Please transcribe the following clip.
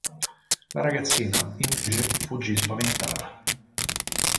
La ragazzina invece fuggì spaventata.